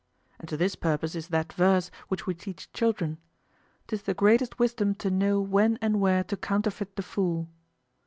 And to this purpose is that verse which we teach children, "'Tis the greatest wisdom to know when and where to counterfeit the fool."